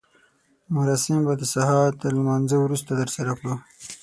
مراسم به د سهار تر لمانځه وروسته ترسره کړو.